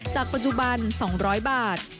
จากปัจจุบัน๒๐๐บาท